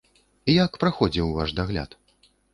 Як праходзіў ваш дагляд?